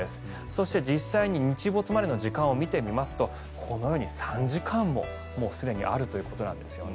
そして、実際に日没までの時間を見てみますとこのように３時間もすでにあるということです。